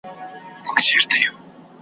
له جهانه پټي سترګي تر خپل ګوره پوري تللای .